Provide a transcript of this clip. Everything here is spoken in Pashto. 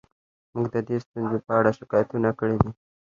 موږ د دې ستونزو په اړه شکایتونه کړي دي